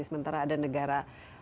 sementara ada negara